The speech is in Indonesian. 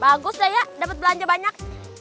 bagus dayak dapet belanja banyak